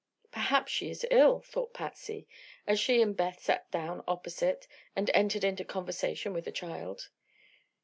"Perhaps she is ill," thought Patsy, as she and Beth sat down opposite and entered into conversation with the child.